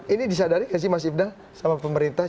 ini disadari nggak sih mas ibna sama pemerintah